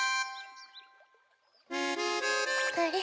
あれ？